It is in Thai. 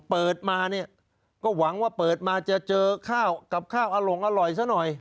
เปิดมาเนี่ยก็หวังว่าเปิดมาจะเจอข้าวกับข้าวอลงอร่อยซะหน่อย